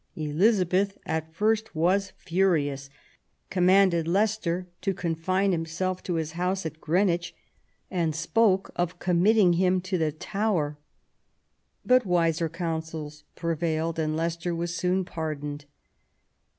Elizabeth, at first, was furious, commanded Leicester to confine himself to his house at Greenwich, and. spoke of committing him to the Tower. But wiser councils prevailed, and Leicester was soon pardoned.